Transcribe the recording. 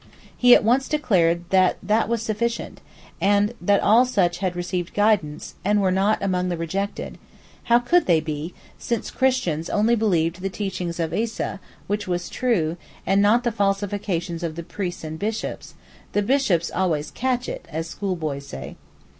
He at once declared that that was sufficient, that all such had 'received guidance,' and were not 'among the rejected'; how could they be, since such Christians only believed the teaching of Eesa, which was true, and not the falsifications of the priests and bishops (the bishops always 'catch it,' as schoolboys say).